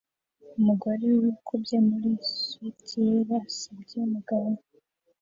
Umugore wikubye muri swater yera asebya umugabo we